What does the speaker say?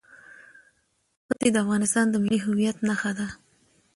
ښتې د افغانستان د ملي هویت نښه ده.